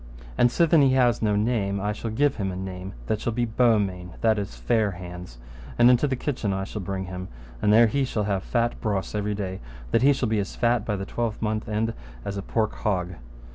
And sithen he hath no name, I shall give him a name that shall be Beaumains, that is Fair hands, and into the kitchen I shall bring him, and there he shall have fat brose every day, that he shall be as fat by the twelvemonths' end as a pork hog.